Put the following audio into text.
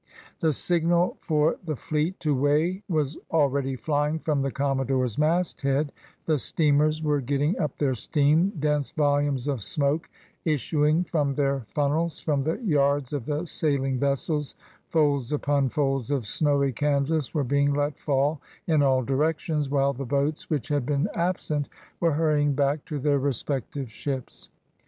The signal for the fleet to weigh was already flying from the commodore's masthead, the steamers were getting up their steam, dense volumes of smoke issuing from their funnels, from the yards of the sailing vessels folds upon folds of snowy canvas were being let fall in all directions, while the boats which had been absent were hurrying back to their respective ships.